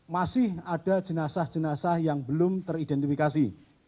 masih ada jenazah jenazah yang belum teridentifikasi